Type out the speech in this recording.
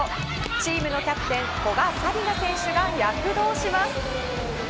チームのキャプテン古賀紗理那選手が躍動します。